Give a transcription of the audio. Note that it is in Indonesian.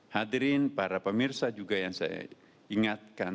hadirin para pemirsa juga yang saya ingatkan